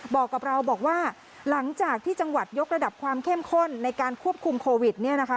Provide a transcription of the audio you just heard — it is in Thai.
บอกกับเราบอกว่าหลังจากที่จังหวัดยกระดับความเข้มข้นในการควบคุมโควิดเนี่ยนะคะ